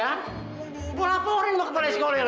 aku laporin gua ke pepanede sekolah ini